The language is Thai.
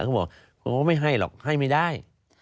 ก็บอกไม่ให้หรอกให้ไม่ได้